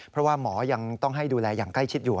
เพราะว่าหมอยังต้องให้ดูแลอย่างใกล้ชิดอยู่